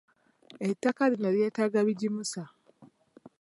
Attaka lino lyetaaga bigimusa.